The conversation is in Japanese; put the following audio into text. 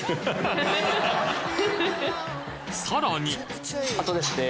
さらにあとですね